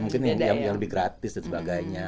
mungkin yang lebih gratis dan sebagainya